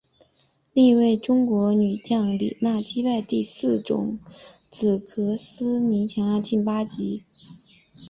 另一位中国女将李娜击败第四种籽禾丝妮雅琪晋级八强。